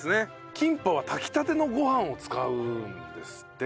キンパは炊きたてのご飯を使うんですって。